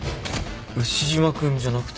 牛島くんじゃなくて？